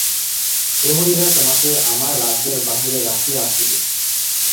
প্রহরীরা তোমাকে আমার রাজ্যের বাহিরে রাখিয়া আসিবে।